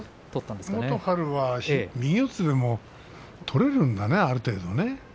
若元春は右四つでも取れるんだね、ある程度ね。